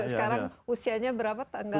sekarang usianya berapa tanggal lima belas